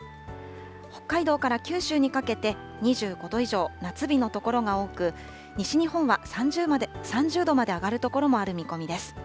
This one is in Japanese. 北海道から九州にかけて、２５度以上、夏日の所が多く、西日本は３０度まで上がる所もある見込みです。